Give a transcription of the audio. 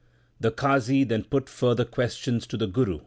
5 The Qazi then put further questions to the Guru.